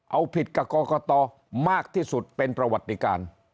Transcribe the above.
เอาผิดกับกรกตมากที่สุดเป็นประวัติการ